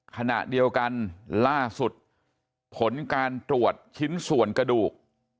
ขณะเดียวกันล่าสุดผลการตรวจชิ้นส่วนกระดูก